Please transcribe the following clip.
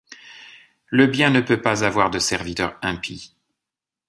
Le bien ne peut pas avoir de serviteur impie.